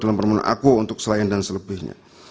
dalam permohonan aku untuk selain dan selebihnya